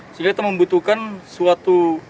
sehingga kita membutuhkan suatu